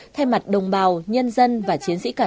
thay mặt đồng bào nhân dân và chiến sĩ cả nước